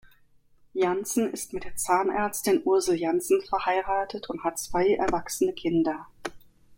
Jantzen ist mit der Zahnärztin Ursel Jantzen verheiratet und hat zwei erwachsene Kinder.